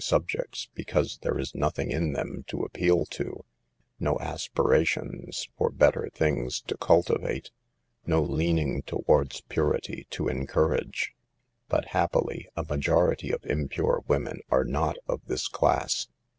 subjects, because therfe is nothing in them to appeal to, no aspirations for better things to cultivate, no leaning towards purity to encour age. But, happily, a majority of impure women are not of this class.